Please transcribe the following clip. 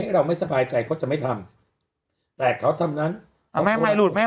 เราไม่สบายใจเขาจะไม่ทำแต่เขาทำนั้นเอาแม่ไม่หลุดแม่